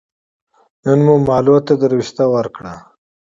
نن مو مالو ته دروشته ور کړه